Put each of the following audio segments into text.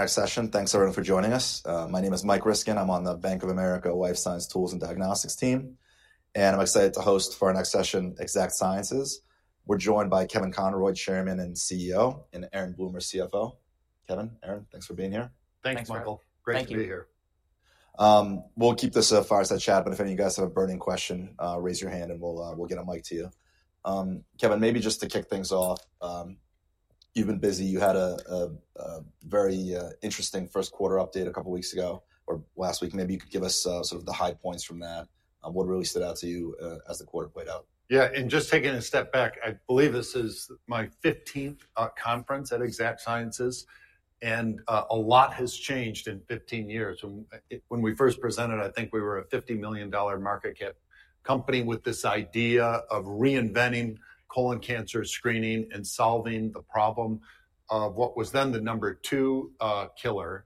Next session. Thanks, everyone, for joining us. My name is Mike Ryskin. I'm on the Bank of America Life Science Tools and Diagnostics team, and I'm excited to host for our next session, Exact Sciences. We're joined by Kevin Conroy, Chairman and CEO, and Aaron Bloomer, CFO. Kevin, Aaron, thanks for being here. Thanks, Michael. Great to be here. We'll keep this a fireside chat, but if any of you guys have a burning question, raise your hand, and we'll get a mic to you. Kevin, maybe just to kick things off, you've been busy. You had a very interesting first quarter update a couple of weeks ago, or last week. Maybe you could give us sort of the high points from that. What really stood out to you as the quarter played out? Yeah, and just taking a step back, I believe this is my 15th conference at Exact Sciences, and a lot has changed in 15 years. When we first presented, I think we were a $50-million market cap company with this idea of reinventing colon cancer screening and solving the problem of what was then the number two cancer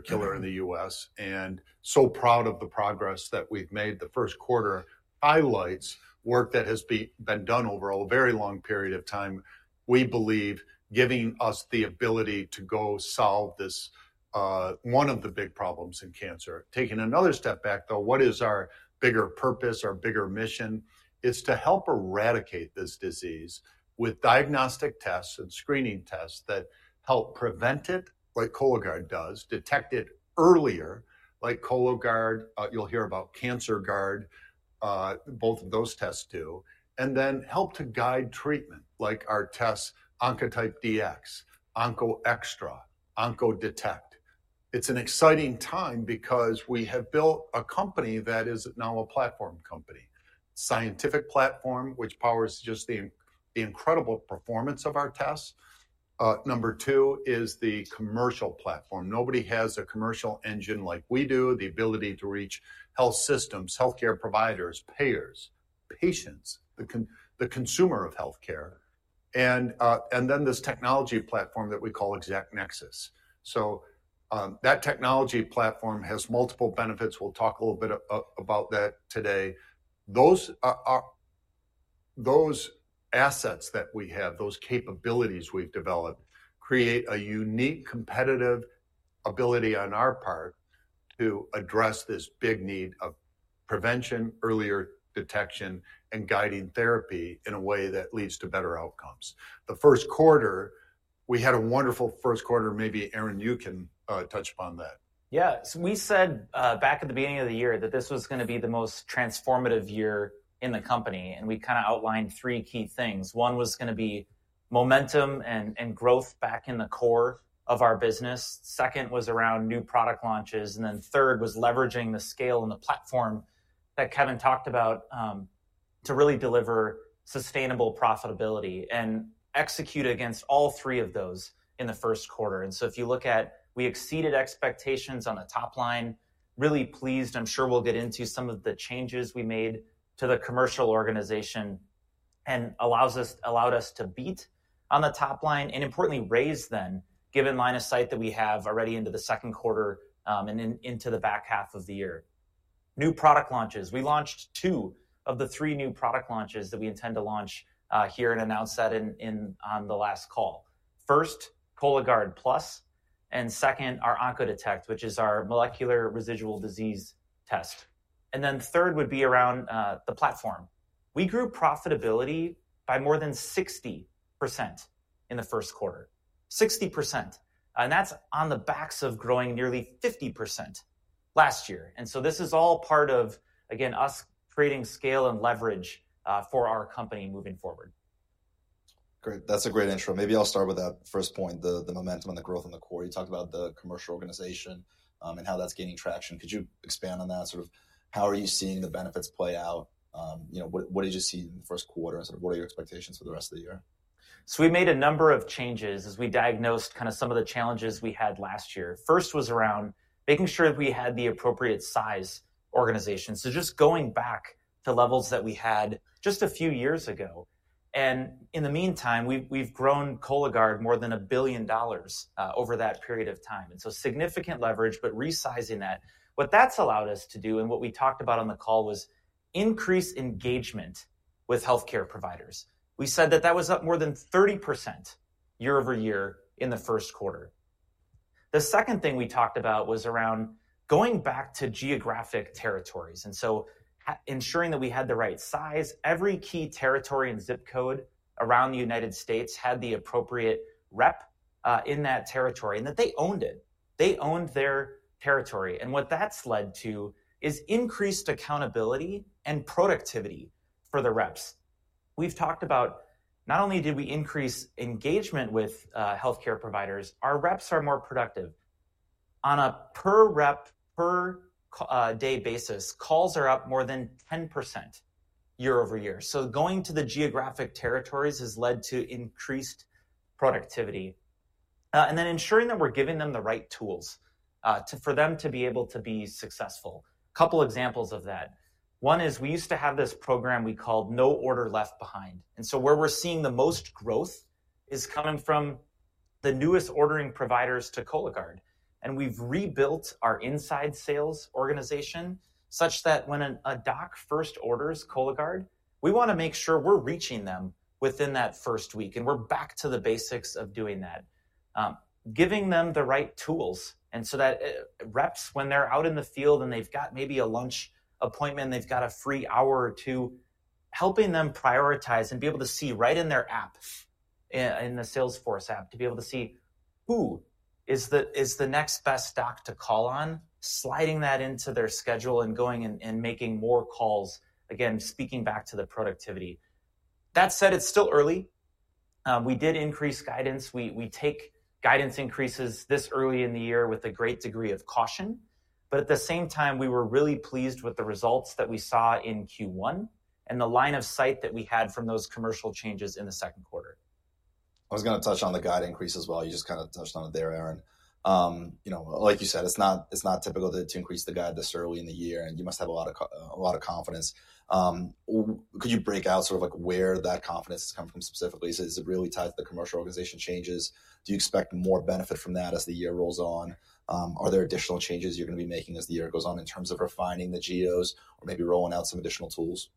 killer in the U.S. I am so proud of the progress that we've made. The first quarter highlights work that has been done over a very long period of time, we believe, giving us the ability to go solve this, one of the big problems in cancer. Taking another step back, though, what is our bigger purpose, our bigger mission? It's to help eradicate this disease with diagnostic tests and screening tests that help prevent it, like Cologuard does, detect it earlier, like Cologuard. You'll hear about Cancerguard. Both of those tests do. And then help to guide treatment, like our tests, Oncotype DX, OncoExTra, Oncodetect. It's an exciting time because we have built a company that is now a platform company. Scientific platform, which powers just the incredible performance of our tests. Number two is the commercial platform. Nobody has a commercial engine like we do, the ability to reach health systems, healthcare providers, payers, patients, the consumer of healthcare. And then this technology platform that we call Exact Nexus. So that technology platform has multiple benefits. We'll talk a little bit about that today. Those assets that we have, those capabilities we've developed, create a unique competitive ability on our part to address this big need of prevention, earlier detection, and guiding therapy in a way that leads to better outcomes. The first quarter, we had a wonderful first quarter. Maybe Aaron, you can touch upon that. Yeah, so we said back at the beginning of the year that this was going to be the most transformative year in the company, and we kind of outlined three key things. One was going to be momentum and growth back in the core of our business. Second was around new product launches. Third was leveraging the scale and the platform that Kevin talked about to really deliver sustainable profitability and execute against all three of those in the first quarter. If you look at it, we exceeded expectations on the top line, really pleased. I'm sure we'll get into some of the changes we made to the commercial organization that allowed us to beat on the top line and, importantly, raise then, given line of sight that we have already into the second quarter and into the back half of the year. New product launches. We launched two of the three new product launches that we intend to launch here and announce that on the last call. First, Cologuard Plus, and second, our Oncodetect, which is our molecular residual disease test. The third would be around the platform. We grew profitability by more than 60% in the first quarter. 60%. That is on the backs of growing nearly 50% last year. This is all part of, again, us creating scale and leverage for our company moving forward. Great. That's a great intro. Maybe I'll start with that first point, the momentum and the growth in the core. You talked about the commercial organization and how that's gaining traction. Could you expand on that? Sort of how are you seeing the benefits play out? What did you see in the first quarter? What are your expectations for the rest of the year? We made a number of changes as we diagnosed kind of some of the challenges we had last year. First was around making sure that we had the appropriate size organization. Just going back to levels that we had just a few years ago. In the meantime, we've grown Cologuard more than a billion dollars over that period of time. Significant leverage, but resizing that. What that's allowed us to do, and what we talked about on the call, was increase engagement with healthcare providers. We said that that was up more than 30% year-over-year in the first quarter. The second thing we talked about was around going back to geographic territories. Ensuring that we had the right size, every key territory and zip code around the United States had the appropriate rep in that territory and that they owned it. They owned their territory. What that has led to is increased accountability and productivity for the reps. We've talked about not only did we increase engagement with healthcare providers, our reps are more productive. On a per rep, per day basis, calls are up more than 10% year-over-year. Going to the geographic territories has led to increased productivity. Ensuring that we're giving them the right tools for them to be able to be successful. A couple of examples of that. One is we used to have this program we called No Order Left Behind. Where we're seeing the most growth is coming from the newest ordering providers to Cologuard. We've rebuilt our inside sales organization such that when a doc first orders Cologuard, we want to make sure we're reaching them within that first week. We're back to the basics of doing that. Giving them the right tools. So that reps, when they're out in the field and they've got maybe a lunch appointment, they've got a free hour or two, helping them prioritize and be able to see right in their app, in the Salesforce app, to be able to see who is the next best doc to call on, sliding that into their schedule and going and making more calls, again, speaking back to the productivity. That said, it's still early. We did increase guidance. We take guidance increases this early in the year with a great degree of caution. At the same time, we were really pleased with the results that we saw in Q1 and the line of sight that we had from those commercial changes in the second quarter. I was going to touch on the guide increase as well. You just kind of touched on it there, Aaron. Like you said, it's not typical to increase the guide this early in the year, and you must have a lot of confidence. Could you break out sort of where that confidence has come from specifically? Is it really tied to the commercial organization changes? Do you expect more benefit from that as the year rolls on? Are there additional changes you're going to be making as the year goes on in terms of refining the GOs or maybe rolling out some additional tools?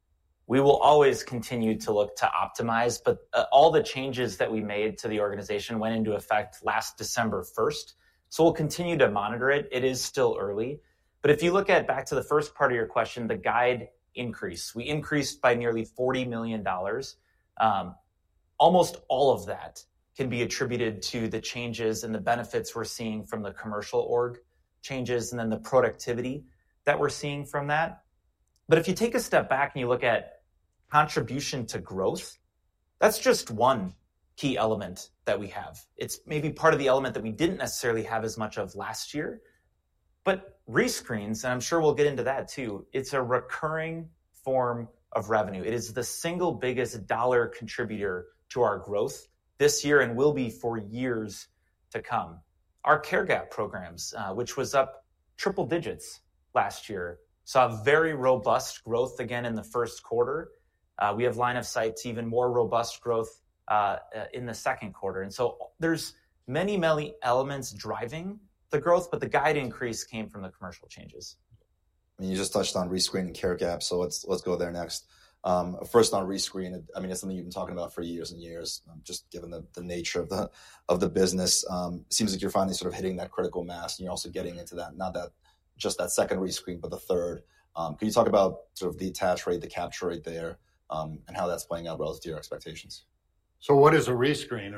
We will always continue to look to optimize, but all the changes that we made to the organization went into effect last December 1st. We'll continue to monitor it. It is still early. If you look back to the first part of your question, the guide increase, we increased by nearly $40 million. Almost all of that can be attributed to the changes and the benefits we're seeing from the commercial org changes and then the productivity that we're seeing from that. If you take a step back and you look at contribution to growth, that's just one key element that we have. It's maybe part of the element that we didn't necessarily have as much of last year. Rescreens, and I'm sure we'll get into that too, it's a recurring form of revenue. It is the single biggest dollar contributor to our growth this year and will be for years to come. Our Caregap programs, which was up triple digits last year, saw very robust growth again in the first quarter. We have line of sight to even more robust growth in the second quarter. There are many, many elements driving the growth, but the guide increase came from the commercial changes. You just touched on rescreen and Care Gap, so let's go there next. First on rescreen, I mean, it's something you've been talking about for years and years, just given the nature of the business. It seems like you're finally sort of hitting that critical mass, and you're also getting into that, not just that second rescreen, but the third. Can you talk about sort of the attach rate, the capture rate there, and how that's playing out relative to your expectations? What is a rescreen?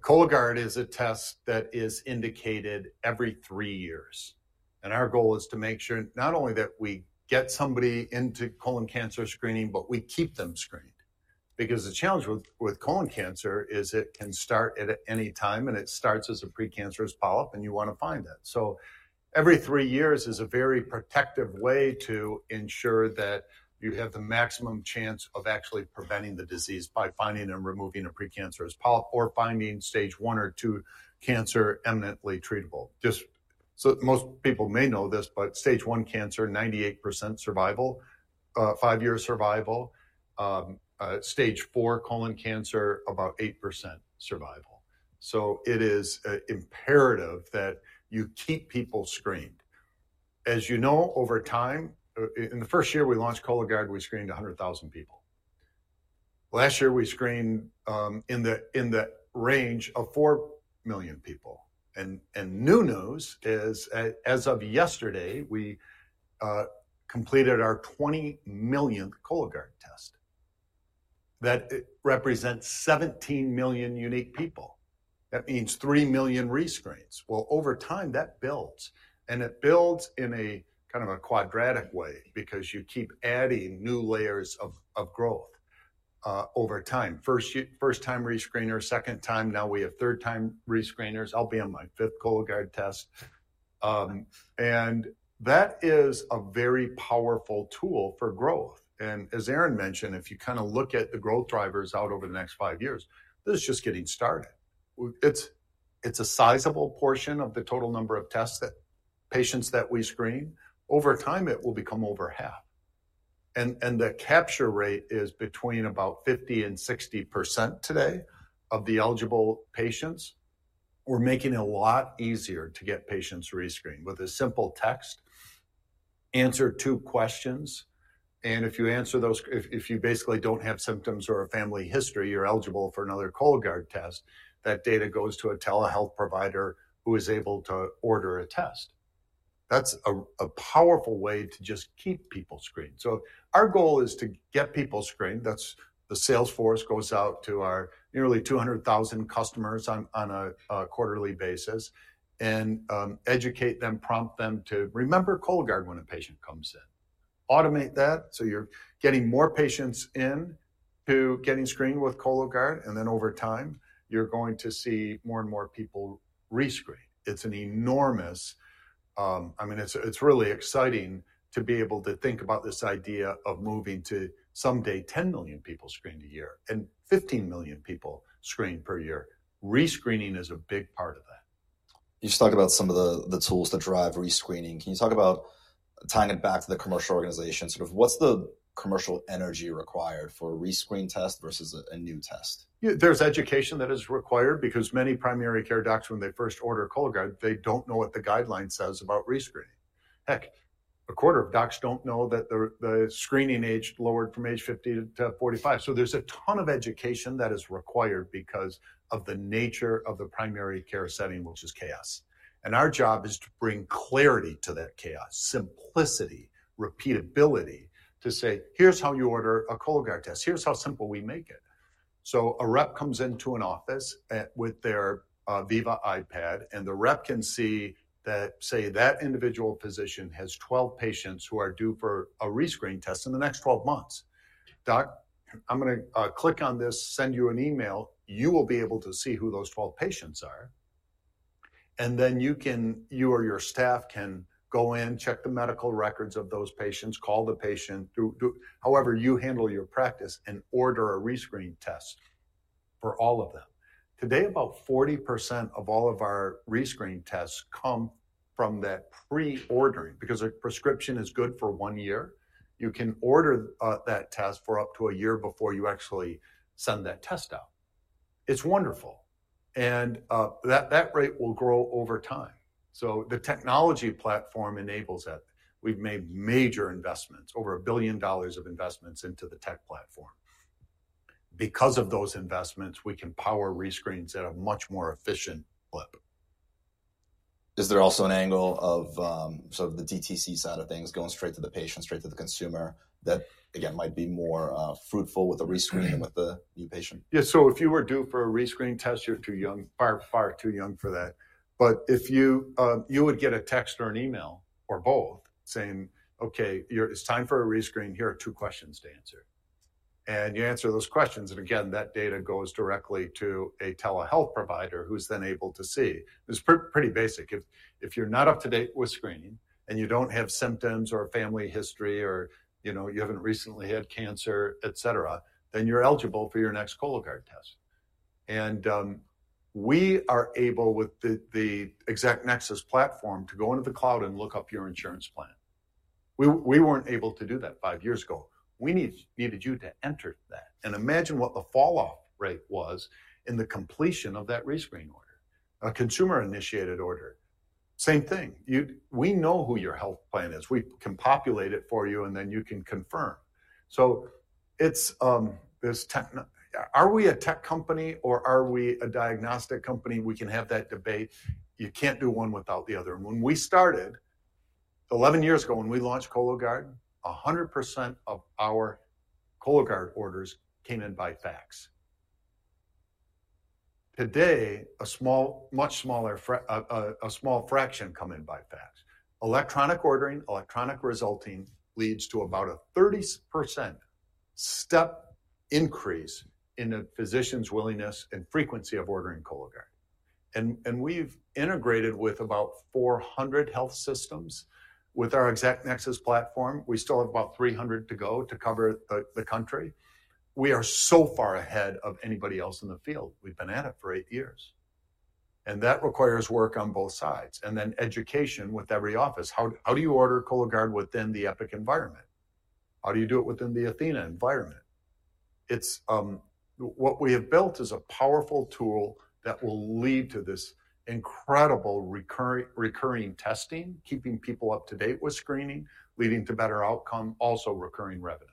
Cologuard is a test that is indicated every three years. Our goal is to make sure not only that we get somebody into colon cancer screening, but we keep them screened. Because the challenge with colon cancer is it can start at any time, and it starts as a precancerous polyp, and you want to find that. Every three years is a very protective way to ensure that you have the maximum chance of actually preventing the disease by finding and removing a precancerous polyp or finding stage one or two cancer, eminently treatable. Most people may know this, but stage one cancer, 98% survival, five-year survival. Stage four colon cancer, about 8% survival. It is imperative that you keep people screened. As you know, over time, in the first year, we launched Cologuard, we screened 100,000 people. Last year, we screened in the range of four million people. New news is, as of yesterday, we completed our 20 millionth Cologuard test. That represents 17 million unique people. That means three million rescreens. Over time, that builds. It builds in a kind of a quadratic way because you keep adding new layers of growth over time. First time rescreener, second time, now we have third time rescreeners. I'll be on my fifth Cologuard test. That is a very powerful tool for growth. As Aaron mentioned, if you kind of look at the growth drivers out over the next five years, this is just getting started. It's a sizable portion of the total number of tests that patients that we screen. Over time, it will become over half. The capture rate is between about 50%-60% today of the eligible patients. We're making it a lot easier to get patients rescreened with a simple text, answer two questions. If you answer those, if you basically don't have symptoms or a family history, you're eligible for another Cologuard test. That data goes to a telehealth provider who is able to order a test. That's a powerful way to just keep people screened. Our goal is to get people screened. The Salesforce goes out to our nearly 200,000 customers on a quarterly basis and educate them, prompt them to remember Cologuard when a patient comes in. Automate that so you're getting more patients into getting screened with Cologuard. Over time, you're going to see more and more people rescreen. It's an enormous, I mean, it's really exciting to be able to think about this idea of moving to someday 10 million people screened a year and 15 million people screened per year. Rescreening is a big part of that. You just talked about some of the tools that drive rescreening. Can you talk about tying it back to the commercial organization? Sort of what's the commercial energy required for a rescreen test versus a new test? There's education that is required because many primary care docs, when they first order Cologuard, they don't know what the guideline says about rescreening. Heck, a quarter of docs don't know that the screening age lowered from age 50 to 45. There is a ton of education that is required because of the nature of the primary care setting, which is chaos. Our job is to bring clarity to that chaos, simplicity, repeatability to say, here's how you order a Cologuard test. Here's how simple we make it. A rep comes into an office with their Viva iPad, and the rep can see that, say, that individual physician has 12 patients who are due for a rescreen test in the next 12 months. Doc, I'm going to click on this, send you an email. You will be able to see who those 12 patients are. You or your staff can go in, check the medical records of those patients, call the patient, however you handle your practice, and order a rescreen test for all of them. Today, about 40% of all of our rescreen tests come from that pre-ordering because a prescription is good for one year. You can order that test for up to a year before you actually send that test out. It is wonderful. That rate will grow over time. The technology platform enables that. We have made major investments, over $1 billion of investments into the tech platform. Because of those investments, we can power rescreens at a much more efficient clip. Is there also an angle of sort of the DTC side of things going straight to the patient, straight to the consumer that, again, might be more fruitful with a rescreen than with the new patient? Yeah. If you were due for a rescreen test, you're too young, far, far too young for that. You would get a text or an email or both saying, okay, it's time for a rescreen. Here are two questions to answer. You answer those questions. Again, that data goes directly to a telehealth provider who's then able to see. It's pretty basic. If you're not up to date with screening and you don't have symptoms or family history or you haven't recently had cancer, et cetera, then you're eligible for your next Cologuard test. We are able with the Exact Nexus platform to go into the cloud and look up your insurance plan. We weren't able to do that five years ago. We needed you to enter that. Imagine what the falloff rate was in the completion of that rescreen order, a consumer-initiated order. Same thing. We know who your health plan is. We can populate it for you, and then you can confirm. Are we a tech company or are we a diagnostic company? We can have that debate. You can't do one without the other. When we started 11 years ago when we launched Cologuard, 100% of our Cologuard orders came in by fax. Today, a much smaller, a small fraction come in by fax. Electronic ordering, electronic resulting leads to about a 30% step increase in a physician's willingness and frequency of ordering Cologuard. We have integrated with about 400 health systems with our Exact Nexus platform. We still have about 300 to go to cover the country. We are so far ahead of anybody else in the field. We have been at it for eight years. That requires work on both sides. Education with every office. How do you order Cologuard within the Epic environment? How do you do it within the Athena environment? What we have built is a powerful tool that will lead to this incredible recurring testing, keeping people up to date with screening, leading to better outcome, also recurring revenue.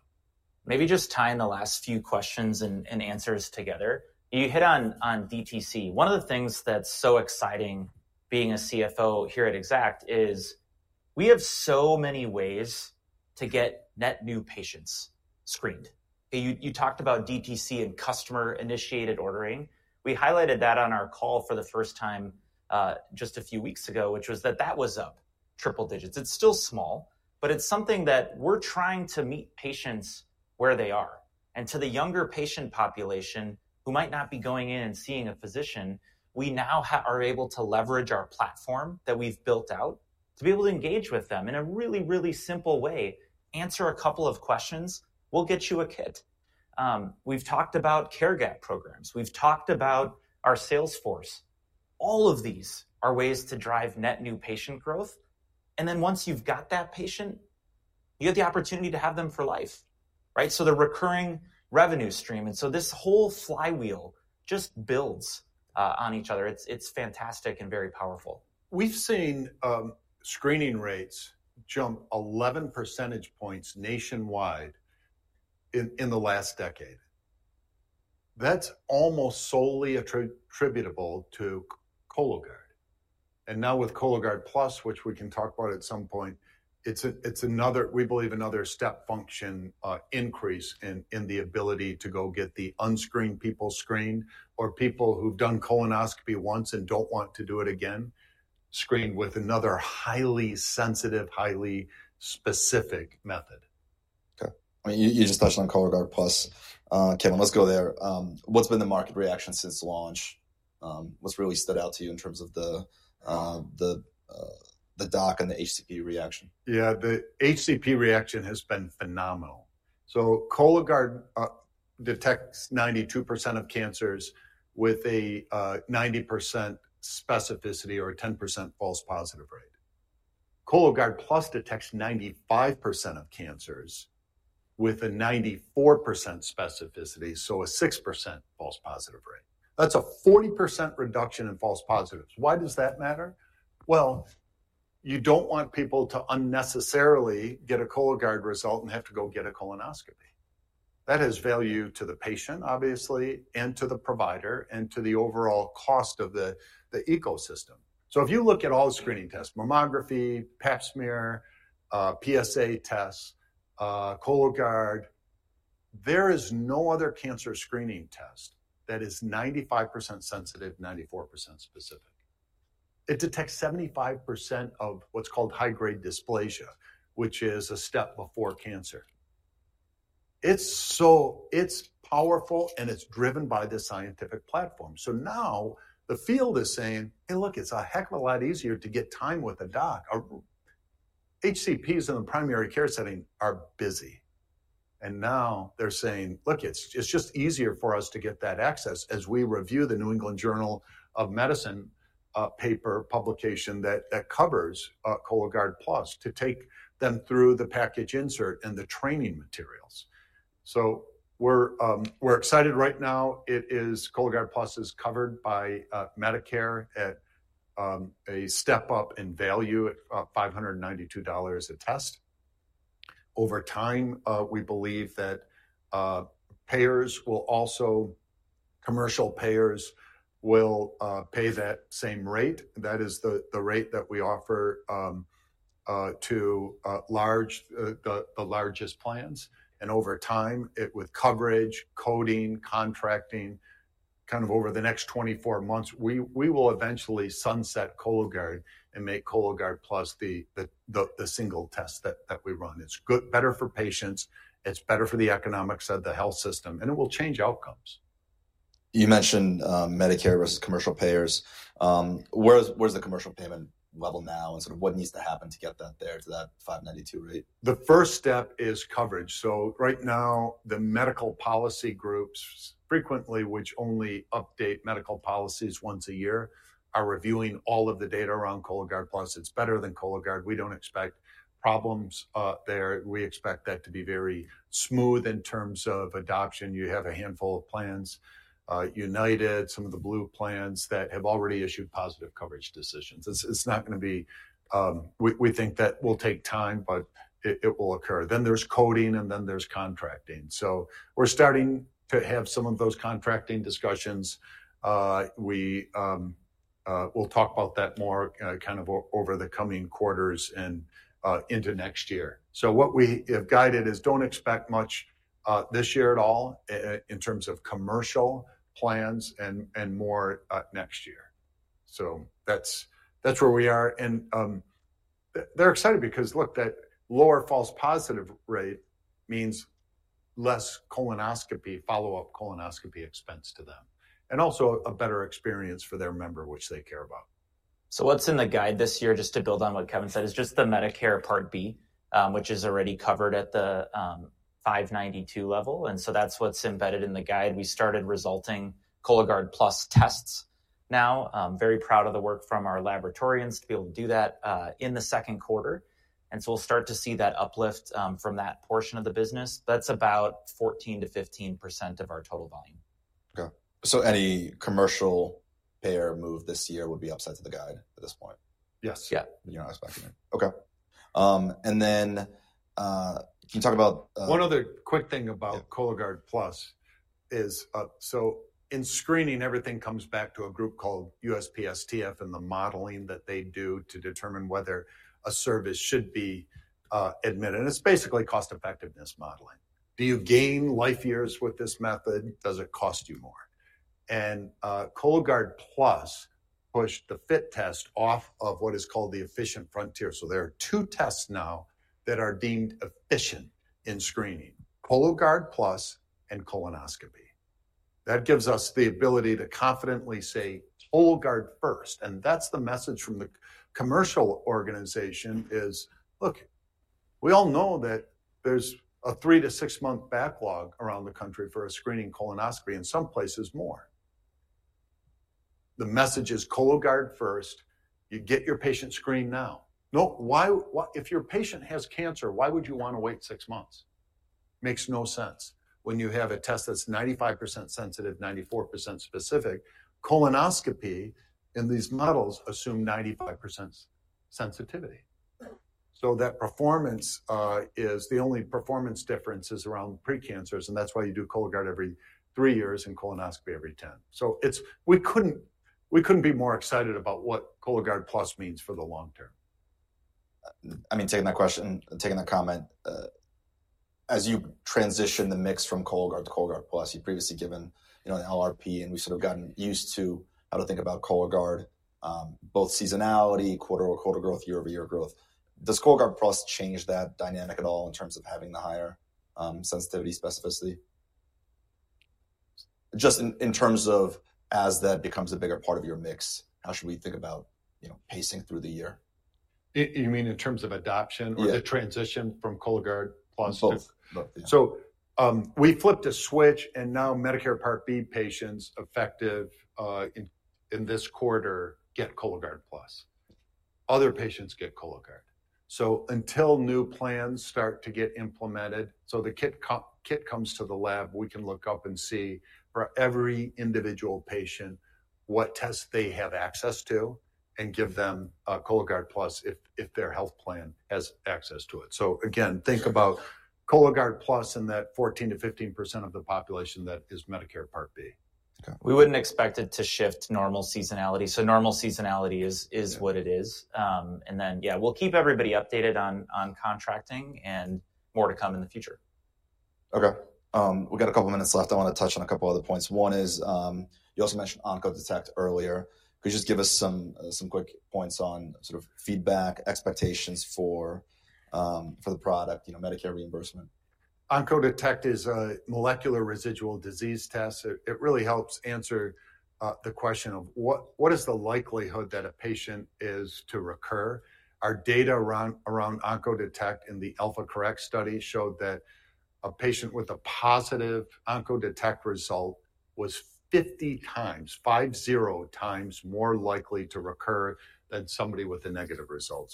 Maybe just tying the last few questions and answers together. You hit on DTC. One of the things that's so exciting being a CFO here at Exact is we have so many ways to get net new patients screened. You talked about DTC and customer-initiated ordering. We highlighted that on our call for the first time just a few weeks ago, which was that that was up triple digits. It's still small, but it's something that we're trying to meet patients where they are. To the younger patient population who might not be going in and seeing a physician, we now are able to leverage our platform that we've built out to be able to engage with them in a really, really simple way. Answer a couple of questions. We'll get you a kit. We've talked about Care Gap programs. We've talked about our Salesforce. All of these are ways to drive net new patient growth. Then once you've got that patient, you have the opportunity to have them for life, right? The recurring revenue stream. This whole flywheel just builds on each other. It's fantastic and very powerful. We've seen screening rates jump 11 percentage points nationwide in the last decade. That's almost solely attributable to Cologuard. Now with Cologuard Plus, which we can talk about at some point, it's another, we believe, another step function increase in the ability to go get the unscreened people screened or people who've done colonoscopy once and don't want to do it again, screened with another highly sensitive, highly specific method. Okay. You just touched on Cologuard Plus. Kevin, let's go there. What's been the market reaction since launch? What's really stood out to you in terms of the doc and the HCP reaction? Yeah, the HCP reaction has been phenomenal. Cologuard detects 92% of cancers with a 90% specificity or a 10% false positive rate. Cologuard Plus detects 95% of cancers with a 94% specificity, so a 6% false positive rate. That is a 40% reduction in false positives. Why does that matter? You do not want people to unnecessarily get a Cologuard result and have to go get a colonoscopy. That has value to the patient, obviously, and to the provider and to the overall cost of the ecosystem. If you look at all screening tests, mammography, pap smear, PSA tests, Cologuard, there is no other cancer screening test that is 95% sensitive, 94% specific. It detects 75% of what is called high-grade dysplasia, which is a step before cancer. It is powerful, and it is driven by the scientific platform. Now the field is saying, hey, look, it's a heck of a lot easier to get time with a doc. HCPs in the primary care setting are busy. Now they're saying, look, it's just easier for us to get that access as we review the New England Journal of Medicine paper publication that covers Cologuard Plus, to take them through the package insert and the training materials. We're excited right now. Cologuard Plus is covered by Medicare at a step up in value at $592 a test. Over time, we believe that payers will also, commercial payers will pay that same rate. That is the rate that we offer to the largest plans. Over time, with coverage, coding, contracting, kind of over the next 24 months, we will eventually sunset Cologuard and make Cologuard Plus the single test that we run. It's better for patients. It's better for the economics of the health system. It will change outcomes. You mentioned Medicare versus commercial payers. Where's the commercial payment level now? And sort of what needs to happen to get that there to that $592 rate? The first step is coverage. Right now, the medical policy groups, which only update medical policies once a year, are reviewing all of the data around Cologuard Plus. It's better than Cologuard. We don't expect problems there. We expect that to be very smooth in terms of adoption. You have a handful of plans, United, some of the blue plans that have already issued positive coverage decisions. It's not going to be, we think that will take time, but it will occur. There is coding, and then there is contracting. We're starting to have some of those contracting discussions. We'll talk about that more over the coming quarters and into next year. What we have guided is don't expect much this year at all in terms of commercial plans and more next year. That's where we are. They are excited because, look, that lower false positive rate means less colonoscopy, follow-up colonoscopy expense to them, and also a better experience for their member, which they care about. What's in the guide this year, just to build on what Kevin said, is just the Medicare Part B, which is already covered at the $592 level. That's what's embedded in the guide. We started resulting Cologuard Plus tests now. Very proud of the work from our laboratorians to be able to do that in the second quarter. We'll start to see that uplift from that portion of the business. That's about 14%-15% of our total volume. Okay. So any commercial payer move this year would be upside to the guide at this point? Yes. Yeah. You're not expecting it. Okay. Can you talk about. One other quick thing about Cologuard Plus is, in screening, everything comes back to a group called USPSTF and the modeling that they do to determine whether a service should be admitted. It is basically cost-effectiveness modeling. Do you gain life years with this method? Does it cost you more? Cologuard Plus pushed the FIT test off of what is called the efficient frontier. There are two tests now that are deemed efficient in screening: Cologuard Plus and colonoscopy. That gives us the ability to confidently say Cologuard first. The message from the commercial organization is, look, we all know that there is a three- to six-month backlog around the country for a screening colonoscopy, and some places more. The message is Cologuard first. You get your patient screened now. If your patient has cancer, why would you want to wait six months? Makes no sense when you have a test that's 95% sensitive, 94% specific. Colonoscopy in these models assumes 95% sensitivity. That performance is the only performance difference is around precancers. That's why you do Cologuard every three years and colonoscopy every 10. We couldn't be more excited about what Cologuard Plus means for the long term. I mean, taking that question, taking the comment, as you transition the mix from Cologuard to Cologuard Plus, you've previously given an LRP, and we've sort of gotten used to how to think about Cologuard, both seasonality, quarter-over-quarter growth, year-over-year growth. Does Cologuard Plus change that dynamic at all in terms of having the higher sensitivity specificity? Just in terms of as that becomes a bigger part of your mix, how should we think about pacing through the year? You mean in terms of adoption or the transition from Cologuard Plus to? Both. Both. We flipped a switch, and now Medicare Part B patients effective in this quarter get Cologuard Plus. Other patients get Cologuard. Until new plans start to get implemented, the kit comes to the lab, we can look up and see for every individual patient what test they have access to and give them Cologuard Plus if their health plan has access to it. Again, think about Cologuard Plus and that 14%-15% of the population that is Medicare Part B. We wouldn't expect it to shift normal seasonality. Normal seasonality is what it is. Yeah, we'll keep everybody updated on contracting and more to come in the future. Okay. We've got a couple of minutes left. I want to touch on a couple of other points. One is you also mentioned Oncodetect earlier. Could you just give us some quick points on sort of feedback, expectations for the product, Medicare reimbursement? Oncodetect is a molecular residual disease test. It really helps answer the question of what is the likelihood that a patient is to recur. Our data around Oncodetect in the Alpha-CORRECT study showed that a patient with a positive Oncodetect result was 50 times more likely to recur than somebody with a negative result.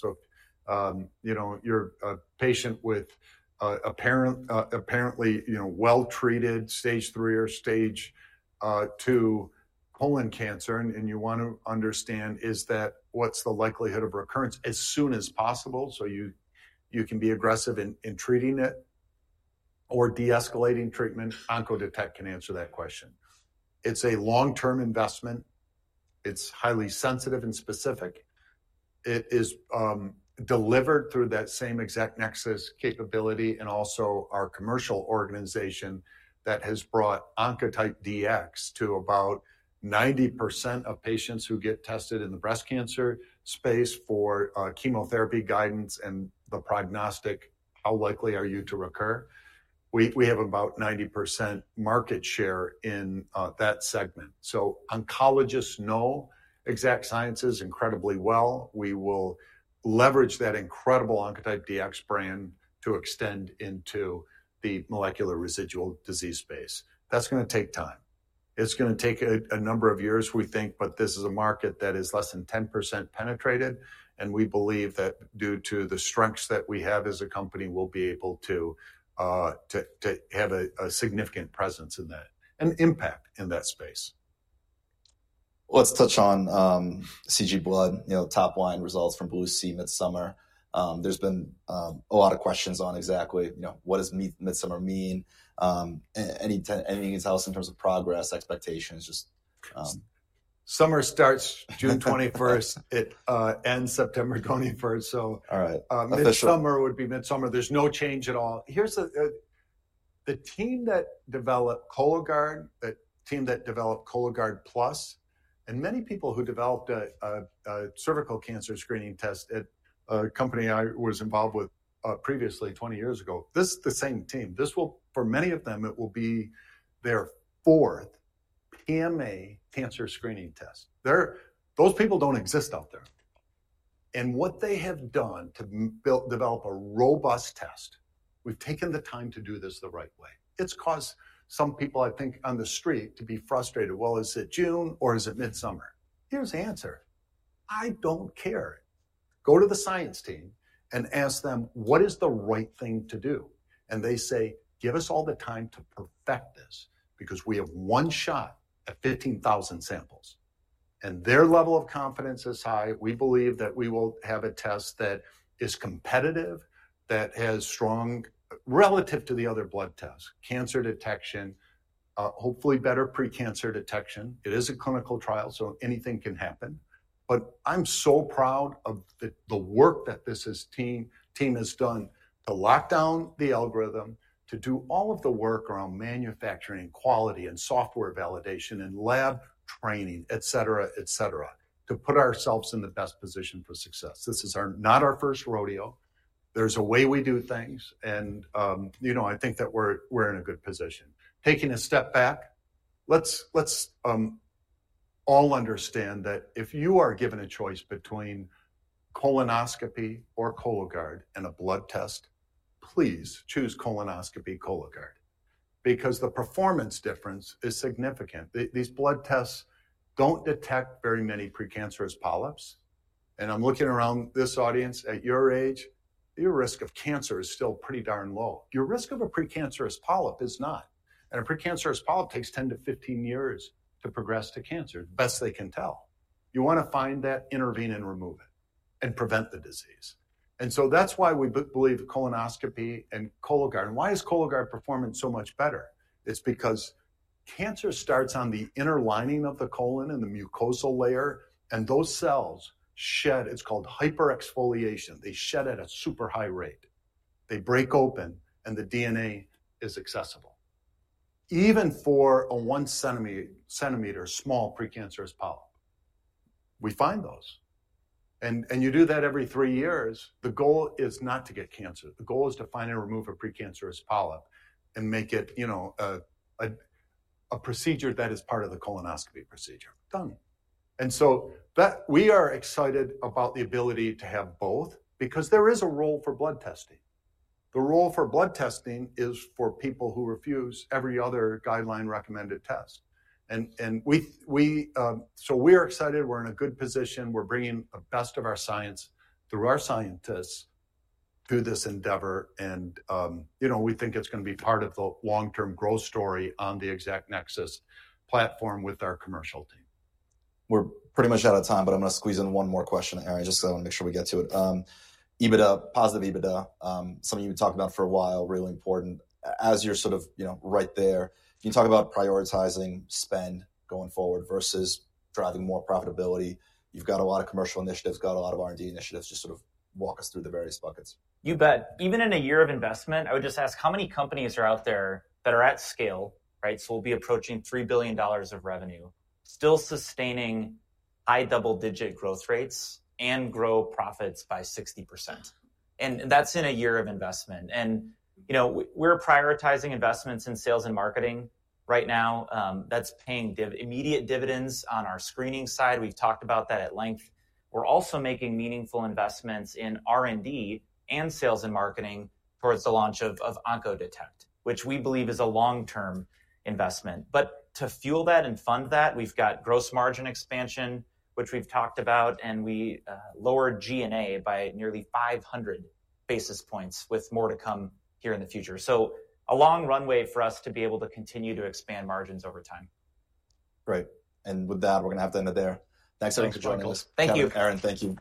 You're a patient with apparently well-treated stage three or stage two colon cancer, and you want to understand what's the likelihood of recurrence as soon as possible so you can be aggressive in treating it or de-escalating treatment. Oncodetect can answer that question. It's a long-term investment. It's highly sensitive and specific. It is delivered through that same Exact Nexus capability and also our commercial organization that has brought Oncotype DX to about 90% of patients who get tested in the breast cancer space for chemotherapy guidance and the prognostic, how likely are you to recur? We have about 90% market share in that segment. Oncologists know Exact Sciences incredibly well. We will leverage that incredible Oncotype DX brand to extend into the molecular residual disease space. That is going to take time. It is going to take a number of years, we think, but this is a market that is less than 10% penetrated. We believe that due to the strengths that we have as a company, we will be able to have a significant presence in that and impact in that space. Let's touch on CG Blood, top-line results from Blue Sea midsummer. There's been a lot of questions on exactly what does midsummer mean? Anything you can tell us in terms of progress, expectations? Summer starts June 21st. It ends September 21st. Midsummer would be midsummer. There is no change at all. The team that developed Cologuard, the team that developed Cologuard Plus, and many people who developed a cervical cancer screening test at a company I was involved with previously 20 years ago, this is the same team. For many of them, it will be their fourth PMA cancer screening test. Those people do not exist out there. What they have done to develop a robust test, we have taken the time to do this the right way. It has caused some people, I think, on the street to be frustrated. Is it June or is it midsummer? Here is the answer. I do not care. Go to the science team and ask them, what is the right thing to do? They say, give us all the time to perfect this because we have one shot at 15,000 samples. Their level of confidence is high. We believe that we will have a test that is competitive, that has strong relative to the other blood tests, cancer detection, hopefully better precancer detection. It is a clinical trial, so anything can happen. I am so proud of the work that this team has done to lock down the algorithm, to do all of the work around manufacturing and quality and software validation and lab training, et cetera, et cetera, to put ourselves in the best position for success. This is not our first rodeo. There is a way we do things. I think that we are in a good position. Taking a step back, let's all understand that if you are given a choice between colonoscopy or Cologuard and a blood test, please choose colonoscopy, Cologuard, because the performance difference is significant. These blood tests don't detect very many precancerous polyps. And I'm looking around this audience at your age, your risk of cancer is still pretty darn low. Your risk of a precancerous polyp is not. And a precancerous polyp takes 10 to 15 years to progress to cancer, best they can tell. You want to find that, intervene, and remove it, and prevent the disease. And so that's why we believe colonoscopy and Cologuard. And why is Cologuard performing so much better? It's because cancer starts on the inner lining of the colon and the mucosal layer, and those cells shed, it's called hyperexfoliation. They shed at a super high rate. They break open, and the DNA is accessible. Even for a one-centimeter small precancerous polyp, we find those. You do that every three years. The goal is not to get cancer. The goal is to find and remove a precancerous polyp and make it a procedure that is part of the colonoscopy procedure. Done. We are excited about the ability to have both because there is a role for blood testing. The role for blood testing is for people who refuse every other guideline-recommended test. We are excited. We're in a good position. We're bringing the best of our science through our scientists through this endeavor. We think it's going to be part of the long-term growth story on the Exact Nexus platform with our commercial team. We're pretty much out of time, but I'm going to squeeze in one more question, Aaron, just so I want to make sure we get to it. EBITDA, positive EBITDA, something you've been talking about for a while, really important. As you're sort of right there, can you talk about prioritizing spend going forward versus driving more profitability? You've got a lot of commercial initiatives, got a lot of R&D initiatives. Just sort of walk us through the various buckets. You bet. Even in a year of investment, I would just ask how many companies are out there that are at scale, right? We will be approaching $3 billion of revenue, still sustaining high double-digit growth rates and grow profits by 60%. That is in a year of investment. We are prioritizing investments in sales and marketing right now. That is paying immediate dividends on our screening side. We have talked about that at length. We are also making meaningful investments in R&D and sales and marketing towards the launch of Oncodetect, which we believe is a long-term investment. To fuel that and fund that, we have got gross margin expansion, which we have talked about, and we lowered G&A by nearly 500 basis points with more to come here in the future. A long runway for us to be able to continue to expand margins over time. Great. And with that, we're going to have to end it there. Thanks for joining us. Thank you. Aaron, thank you.